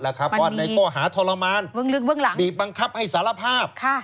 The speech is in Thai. ว่านายก็หาทรมานบีบบังคับให้สารภาพ